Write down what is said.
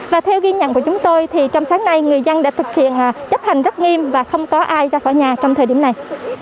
và theo ghi nhận của chúng tôi thì trong sáng nay người dân đã thực hiện chấp hành rất nghiêm và không có ai ra khỏi nhà trong thời điểm này